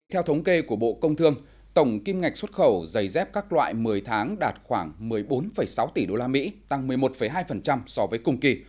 theo thống kê của bộ công thương tổng kim ngạch xuất khẩu giày dép các loại một mươi tháng đạt khoảng một mươi bốn sáu tỷ usd tăng một mươi một hai so với cùng kỳ